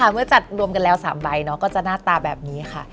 เมื่อจัดรวมกันแล้ว๓ใบก็จะหน้าตาแบบนี้ค่ะ